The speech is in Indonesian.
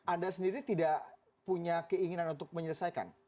anda sendiri tidak punya keinginan untuk menyelesaikan